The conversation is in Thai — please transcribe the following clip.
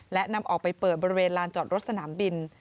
และนำออกไปเปิดบริเวณลานจอดรถสนามบิน